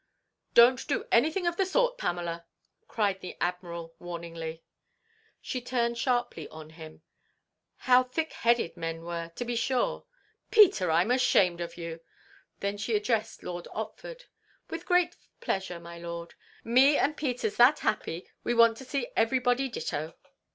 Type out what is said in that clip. "Don't do anything of the sort, Pamela!" cried the Admiral, warningly. She turned sharply on him. How thick headed men were, to be sure! "Peter, I'm ashamed of you!" Then she addressed Lord Otford, "With great pleasure, my Lord. Me and Peter 's that happy, we want to see everybody ditto."